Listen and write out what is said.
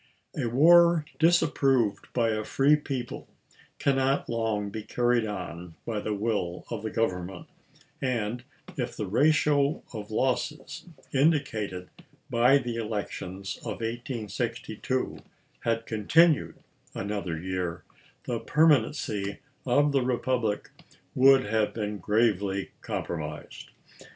A war disapproved by a free people cannot long be carried on by the will of the Government, and, if the ratio of losses indicated by the elections of 1862 had continued another year, the permanency of the republic would have been gravely compro mised.